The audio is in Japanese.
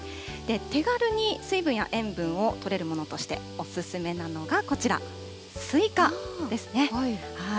手軽に水分や塩分をとれるものとしてお勧めなのがこちら、すいかですね。